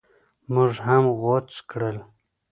موږ هم غوڅ کړل.